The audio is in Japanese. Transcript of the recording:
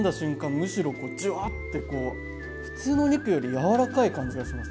むしろジュワッてこう普通のお肉よりやわらかい感じがします